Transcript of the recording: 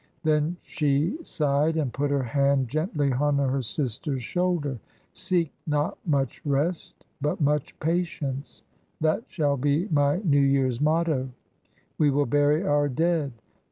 Then she sighed and put her hand gently on her sister's shoulder. "'Seek not much rest, but much patience;' that shall be my New Year's motto. We will bury our dead."